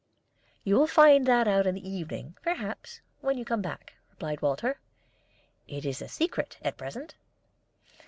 "You will find that out in the evening, perhaps, when you come back," replied Walter. "It is a secret at present."